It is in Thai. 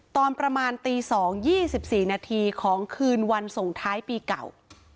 ตอนประมาณตี๒๒๔นาทีของคืนวันส่งท้ายปีเก่า